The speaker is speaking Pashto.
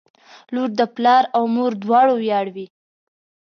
• لور د پلار او مور دواړو ویاړ وي.